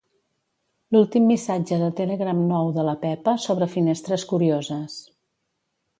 L'últim missatge de Telegram nou de la Pepa sobre finestres curioses.